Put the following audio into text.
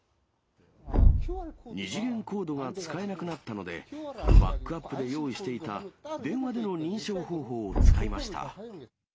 二次元コードが使えなくなったので、バックアップで用意していた、電話での認証方法を使いました。